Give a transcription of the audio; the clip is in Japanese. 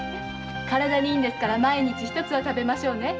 体にいいから毎日一つは食べましょうね。